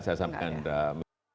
saya sampaikan enggak